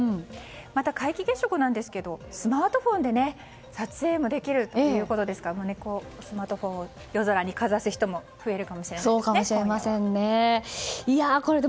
また皆既月食なんですがスマートフォンで撮影もできるということですからスマートフォンを夜空にかざす人も増えるかもしれないですね今夜は。